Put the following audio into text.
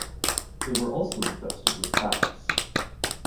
They are also infested with bats.